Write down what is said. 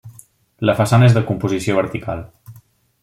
La façana és de composició vertical.